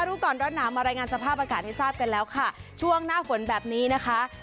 รู้ก่อนร้อนหนาวมารายงานสภาพอากาศให้ทราบกันแล้วค่ะช่วงหน้าฝนแบบนี้นะคะ